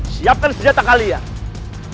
siapkan senjata kalian